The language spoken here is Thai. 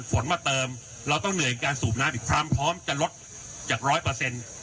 ฝนมาเติมเราต้องเหนื่อยการสูบน้ำอีกครั้งพร้อมจะลดจากร้อยเปอร์เซ็นต์